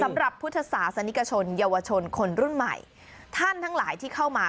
พุทธศาสนิกชนเยาวชนคนรุ่นใหม่ท่านทั้งหลายที่เข้ามา